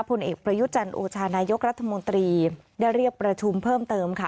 ผลเอกประยุจันทร์โอชานายกรัฐมนตรีได้เรียกประชุมเพิ่มเติมค่ะ